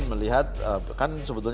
membuat kepentingan yang diperlukan